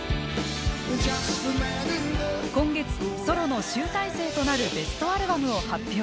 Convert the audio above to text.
今月ソロの集大成となるベストアルバムを発表。